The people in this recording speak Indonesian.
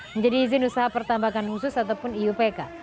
menjadi izin usaha pertambakan khusus ataupun iupk